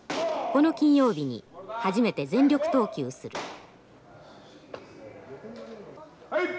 この金曜日に初めて全力投球する。